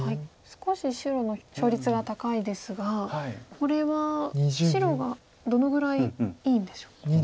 少し白の勝率が高いですがこれは白がどのぐらいいいんでしょうか。